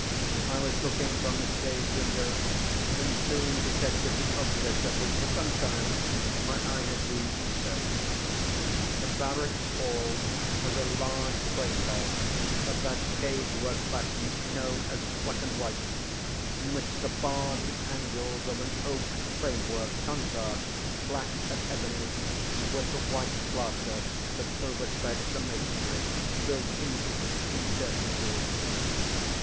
I was looking from the chaise window, and soon detected the object of which, for some time, my eye had been in search. Barwyke Hall was a large, quaint house, of that cage work fashion known as "black and white," in which the bars and angles of an oak framework contrast, black as ebony, with the white plaster that overspreads the masonry built into its interstices.